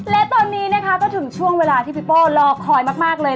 และตรงนี้นะคะก็ถึงเวลาที่ปิโป้นหลอกคลอยมากเลย